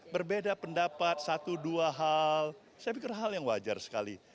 berbeda pendapat satu dua hal saya pikir hal yang wajar sekali